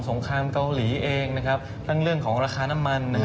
งครามเกาหลีเองนะครับทั้งเรื่องของราคาน้ำมัน